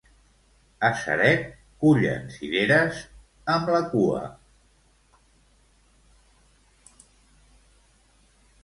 A Ceret, cullen cireres... amb la cua.